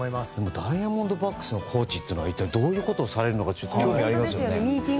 ダイヤモンドバックスのコーチって一体どういうことをされるのか興味がありますね。